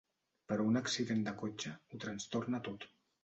Però un accident de cotxe ho trastorna tot.